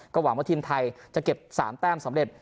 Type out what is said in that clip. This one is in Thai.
หวังว่าทีมไทยจะเก็บ๓แต้มสำเร็จ